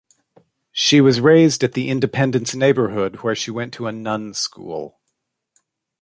She was raised at the Independence neighborhood, where she went to a Nun school.